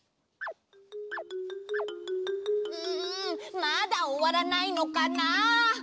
んまだおわらないのかな？